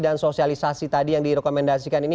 dan sosialisasi tadi yang direkomendasikan ini